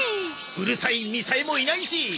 うるさいみさえもいないし。